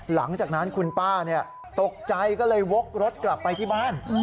หลังจากนั้นคุณป้าตกใจก็เลยวกรถกลับไปที่บ้าน